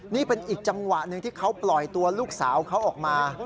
นี่เป็นอีกจังหวะหนึ่งที่เขาปล่อยตัวลูกสาวเขาออกมา